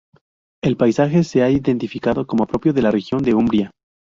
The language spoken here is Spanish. El paisaje se ha identificado como propio de la región de Umbría.